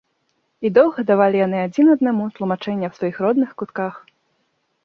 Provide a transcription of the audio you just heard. І доўга давалі яны адзін аднаму тлумачэнні аб сваіх родных кутках.